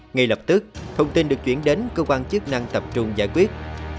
ngay lập tức thông tin được chuyển đến cơ quan chức năng tập trung giải quyết